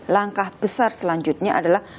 langkah besar selanjutnya adalah